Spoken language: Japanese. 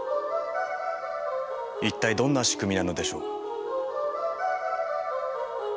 一体どんな仕組みなのでしょう？